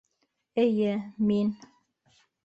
Эйе, мин.